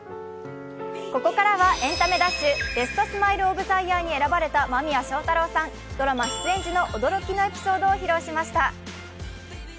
ここからは「エンタメダッシュ」、ベストスマイル・オブ・ザ・イヤー２０２１に選ばれた間宮祥太朗さん、ドラマ出演時の驚きのエピソードを披露しました。